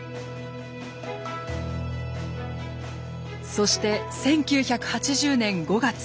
そして１９８０年５月。